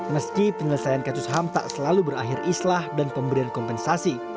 meski penyelesaian kasus ham tak selalu berakhir islah dan pemberian kompensasi